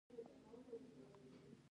دا په لنډ وخت کې دایریږي.